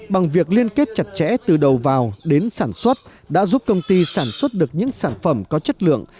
bằng việc liên kết chặt chẽ từ đầu vào đến sản xuất đã giúp công ty sản xuất được những sản phẩm có chất lượng